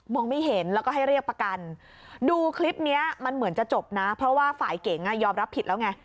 ไม่เห็นแล้วก็ให้เรียกประกันดูคลิปเนี้ยมันเหมือนจะจบนะเพราะว่าฝ่ายเก๋งอ่ะยอมรับผิดแล้วไง